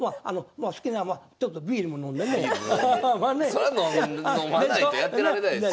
そら飲まないとやってられないですよね。